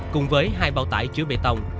cùng với hai bao tải chứa bê tông